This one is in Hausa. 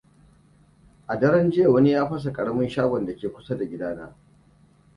A daren jiya wani ya fasa karamin shagon da ke kusa da gidana.